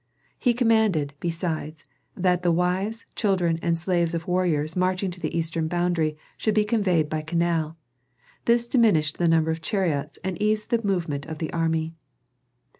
He commanded, besides, that the wives, children, and slaves of warriors marching to the eastern boundary should be conveyed by canal; this diminished the number of chariots and eased the movements of the army.